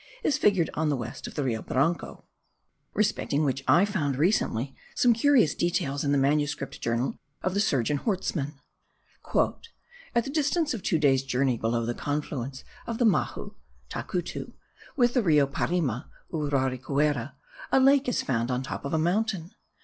is figured on the west of the Rio Branco, respecting which I found recently some curious details in the manuscript journal of the surgeon Hortsmann. "At the distance of two days' journey below the confluence of the Mahu (Tacutu) with the Rio Parima (Uraricuera) a lake is found on top of a mountain.